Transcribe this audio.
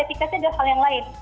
efikasi itu diukur dengan keamanan